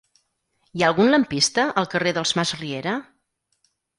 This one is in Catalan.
Hi ha algun lampista al carrer dels Masriera?